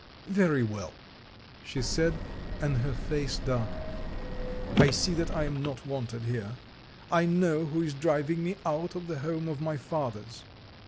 "Very well," she said, and her face darkened, "I see that I am not wanted here! I know who is driving me out of the home of my fathers.